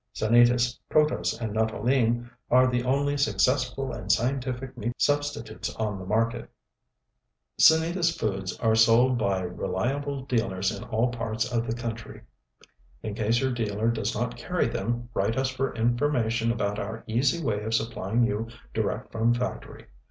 SANITAS Protose and Nuttolene are the only successful and scientific meat substitutes on the market. SANITAS FOODS are sold by reliable dealers in all parts of the country. In case your dealer does not carry them, write us for information about our "easy way of supplying you direct from factory."